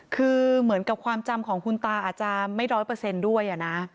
คือเหมือนกับความจำของคุณตาอาจจะไม่ร้อยเปอร์เซ็นต์ด้วยนะ